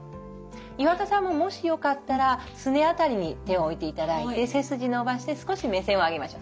岩田さんももしよかったらすね辺りに手を置いていただいて背筋伸ばして少し目線を上げましょう。